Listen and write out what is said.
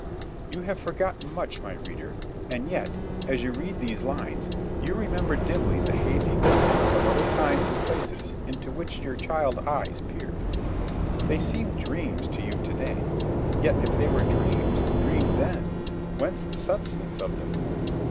You have forgotten much, my reader, and yet, as you read these lines, you remember dimly the hazy vistas of other times and places into which your child eyes peered. They seem dreams to you to day. Yet, if they were dreams, dreamed then, whence the substance of them?